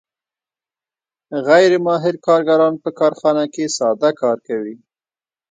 غیر ماهر کارګران په کارخانه کې ساده کار کوي